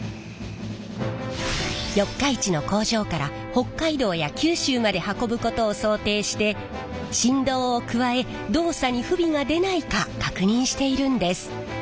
四日市の工場から北海道や九州まで運ぶことを想定して振動を加え動作に不備が出ないか確認しているんです。